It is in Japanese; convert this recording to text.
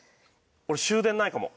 俺終電ないかも。